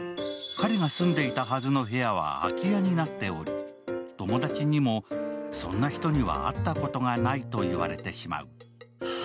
彼が住んでいたはずの部屋は空き家になっており、友達にも、そんな人には会ったことがないと言われてしまう。